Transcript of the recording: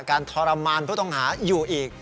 ทรมานผู้ต้องหาอยู่อีก